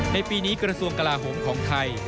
ในปีนี้กระทรวงกลาโหมของไทย